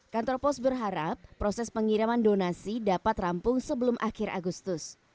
kantor pos berharap proses pengiriman donasi dapat rampung sebelum akhir agustus